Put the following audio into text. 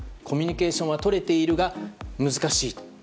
コミュニケーションはとれているが、難しいと。